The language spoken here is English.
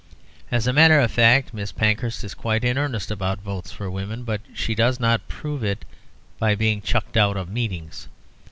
As a matter of fact, Miss Pankhurst is quite in earnest about votes for women. But she does not prove it by being chucked out of meetings.